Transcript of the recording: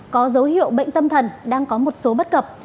có dấu hiệu bệnh tâm thần đang có một số bất cập